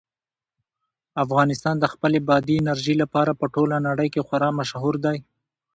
افغانستان د خپلې بادي انرژي لپاره په ټوله نړۍ کې خورا مشهور دی.